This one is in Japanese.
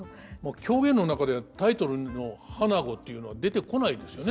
狂言の中でタイトルの「花子」っていうのは出てこないですよね。